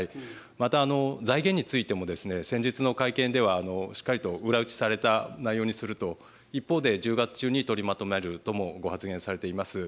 また、財源についても先日の会見ではしっかりと裏打ちされた内容にすると、一方で１０月中に取りまとめるともご発言されています。